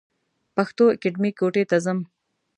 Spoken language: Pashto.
پښتو اکېډمۍ کوټي ته ځم.